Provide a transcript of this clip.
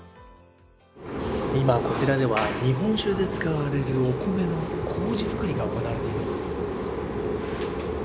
今、こちらでは日本酒で使われるお米のこうじづくりが行われています。